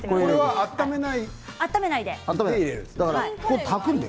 温めないで。